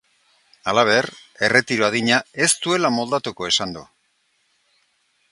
Halaber, erretiro adina ez duela moldatuko esan du.